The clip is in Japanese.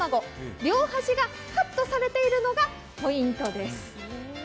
両端がカットされているのがポイントです。